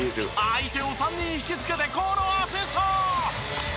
相手を３人引きつけてこのアシスト！